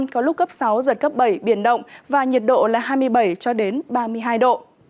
có lúc cấp sáu giật cấp bảy biển động và nhiệt độ là hai mươi bảy cho đến ba mươi hai độ